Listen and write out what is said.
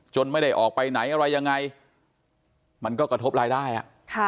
ไม่ได้ออกไปไหนอะไรยังไงมันก็กระทบรายได้อ่ะค่ะ